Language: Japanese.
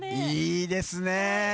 いいですね。